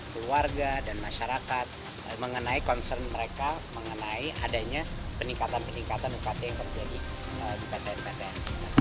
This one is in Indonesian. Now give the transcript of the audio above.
keluarga dan masyarakat mengenai concern mereka mengenai adanya peningkatan peningkatan ukt yang terjadi di ptn ptn